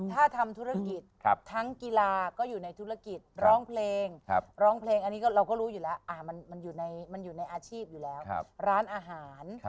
พฤษฐพิจิกพฤษฐพิจิกพฤษฐพิจิกพฤษฐพิจิกพฤษฐพิจิกพฤษฐพิจิกพฤษฐพิจิก